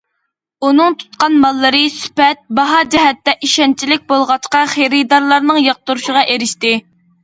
ئۇنىڭ تۇتقان ماللىرى سۈپەت، باھا جەھەتتە ئىشەنچلىك بولغاچقا، خېرىدارلارنىڭ ياقتۇرۇشىغا ئېرىشتى.